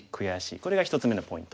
これが１つ目のポイント。